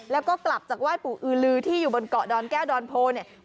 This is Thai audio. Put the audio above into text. แล้วก็กลับจากไหว้ปู่อือลือที่อยู่บนเกาะดอนแก้วดอนโพเนี่ย